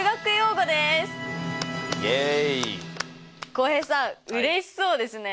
浩平さんうれしそうですね。